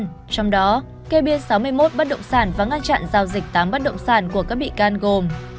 trong đó kê biên sáu mươi một bất động sản và ngăn chặn giao dịch tám bất động sản của các bị can gồm